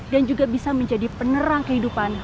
dan juga bisa menjadi penerang kehidupan